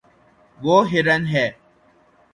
وہ ہرن ہے